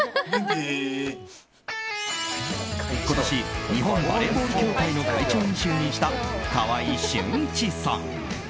今年、日本バレーボール協会の会長に就任した川合俊一さん。